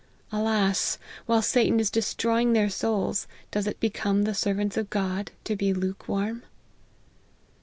Alas ! while Satan is destroying their souls, does it become the servants of God to be lukewarm